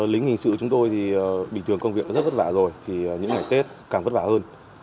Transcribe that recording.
lính hình sự chúng tôi thì bình thường công việc rất vất vả rồi thì những ngày tết càng vất vả hơn